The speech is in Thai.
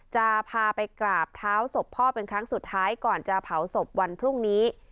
จะพาไปกราบเท้าศพพ่อเป็นครั้งสุดท้ายก่อนจะเผาศพวันพรุ่งนี้